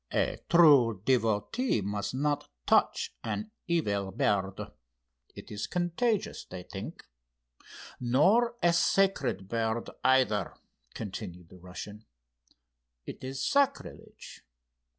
"A true devotee must not touch an evil bird; it is contagious, they think, nor a sacred bird either," continued the Russian; "it is sacrilege.